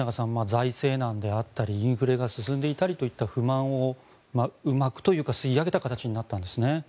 財政難であったりインフレが進んでいたりといった不満をうまくというか吸い上げた形になったんですね。